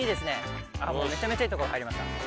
めちゃめちゃいい所入りました。